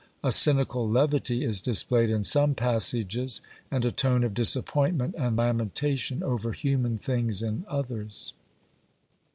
A cynical levity is displayed in some passages, and a tone of disappointment and lamentation over human things in others.